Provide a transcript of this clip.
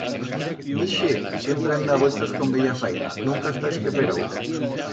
Ixe siempre anda a vueltas con bella faina, nunca está esqueferau.